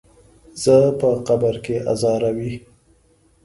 زه په قبر کې ازاروي.